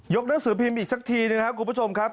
หนังสือพิมพ์อีกสักทีนะครับคุณผู้ชมครับ